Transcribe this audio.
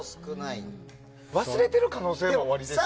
忘れてる可能性もありますから。